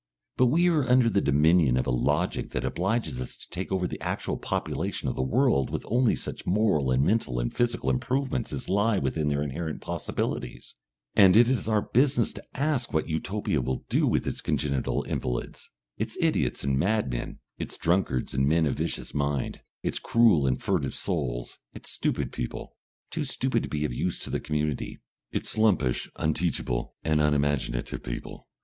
But we are under the dominion of a logic that obliges us to take over the actual population of the world with only such moral and mental and physical improvements as lie within their inherent possibilities, and it is our business to ask what Utopia will do with its congenital invalids, its idiots and madmen, its drunkards and men of vicious mind, its cruel and furtive souls, its stupid people, too stupid to be of use to the community, its lumpish, unteachable and unimaginative people?